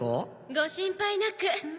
ご心配なく。